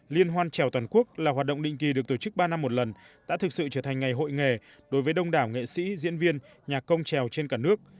liên hoan trèo toàn quốc là hoạt động định kỳ được tổ chức ba năm một lần đã thực sự trở thành ngày hội nghề đối với đông đảo nghệ sĩ diễn viên nhà công trèo trên cả nước